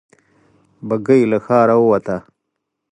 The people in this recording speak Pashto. بګۍ له ښاره ووته.